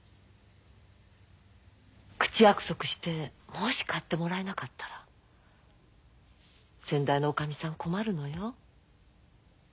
口約束してもし買ってもらえなかったら先代のおかみさん困るのよ。